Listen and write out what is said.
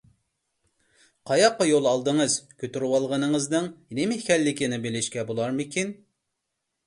قاياققا يول ئالدىڭىز؟ كۆتۈرۈۋالغىنىڭىزنىڭ نېمە ئىكەنلىكىنى بىلىشكە بولارمىكىن؟